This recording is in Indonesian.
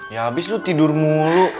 ya habis lu tidur mulu